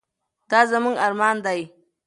دا زموږ ارمان دی.